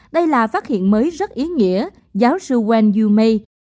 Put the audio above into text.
đây là phát hiện mới rất ý nghĩa giáo sư wenyu mei